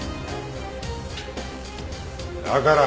だから。